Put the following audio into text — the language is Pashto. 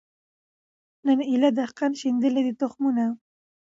نن ایله دهقان شیندلي دي تخمونه